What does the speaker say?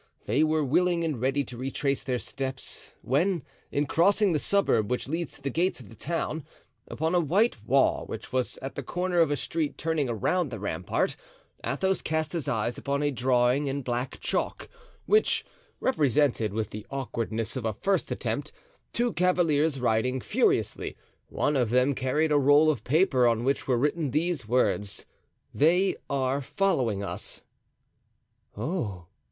They were willing and ready to retrace their steps, when, in crossing the suburb which leads to the gates of the town, upon a white wall which was at the corner of a street turning around the rampart, Athos cast his eyes upon a drawing in black chalk, which represented, with the awkwardness of a first attempt, two cavaliers riding furiously; one of them carried a roll of paper on which were written these words: "They are following us." "Oh!"